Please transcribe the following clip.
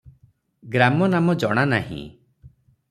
ଗ୍ରାମ ନାମ ଜଣା ନାହିଁ ।